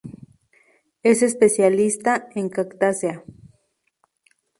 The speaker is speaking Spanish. Es especialista en Cactaceae.